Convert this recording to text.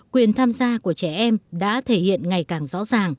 quyền tham gia của trẻ em đã thể hiện ngày càng rõ ràng